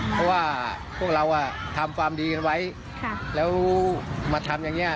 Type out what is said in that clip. เพราะว่าพวกเราทำความดีกันไว้แล้วมาทำอย่างนี้